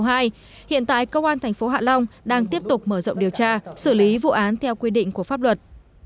hiện tại công an tp hạ long đang tiếp tục mở rộng điều tra xử lý vụ án theo quy định của pháp luật